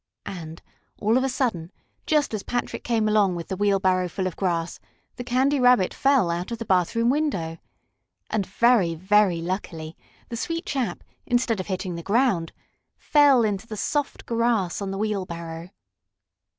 And, all of a sudden, just as Patrick came along with the wheelbarrow full of grass, the Candy Rabbit fell out of the bathroom window. And, very, very luckily, the sweet chap, instead of hitting the ground, fell into the soft grass on the wheelbarrow.